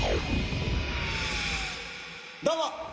どうも。